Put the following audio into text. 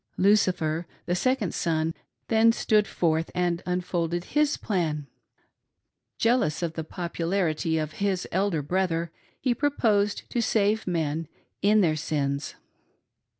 Lucifer, the second son, then stood forth and unfolded /zis plan. Jealous of the popularity of his elder brothei", he proposed to save men in their sins.